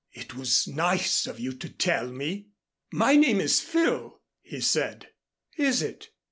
"It was nice of you to tell me. My name is Phil," he said. "Is it?"